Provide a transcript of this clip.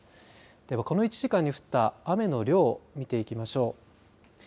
では、この１時間に降った雨の量を見ていきましょう。